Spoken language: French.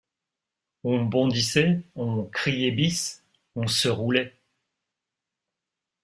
On bondissait, on criait bis, on se roulait.